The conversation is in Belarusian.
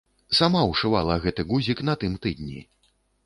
Сама ўшывала гэты гузік на тым тыдні.